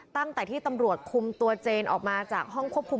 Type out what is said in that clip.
ตั้งแต่ที่ตำรวจคุมตัวเจนออกมาจากห้องควบคุม